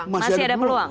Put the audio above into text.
masih ada peluang